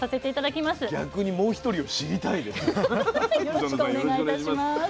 よろしくお願いします。